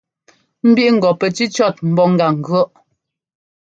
Mbíʼ ŋgɔ pɛ cícʉɔ́t mbɔ́ gá ŋgʉ̈ɔʼ.